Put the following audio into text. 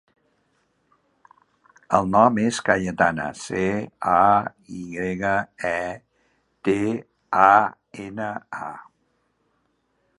El nom és Cayetana: ce, a, i grega, e, te, a, ena, a.